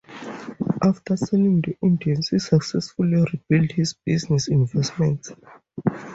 After selling the Indians he successfully rebuilt his business investments.